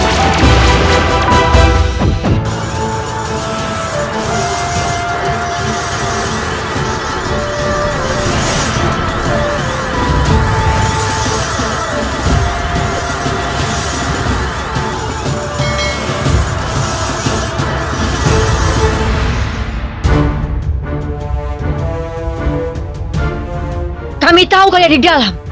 aku tahu kalau dia ada di dalam